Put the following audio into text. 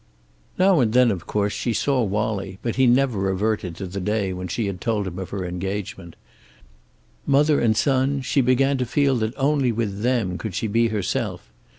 Now and then, of course, she saw Wallie, but he never reverted to the day she had told him of her engagement. Mother and son, she began to feel that only with them could she be herself.